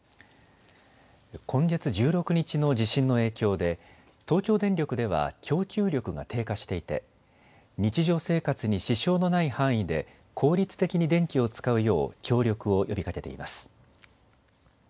今月１６日の地震の影響で東京電力では供給力が低下していて日常生活に支障のない範囲で効率的に電気を使うよう協力を呼びかけています。